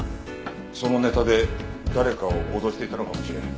そのネタで誰かを脅していたのかもしれん。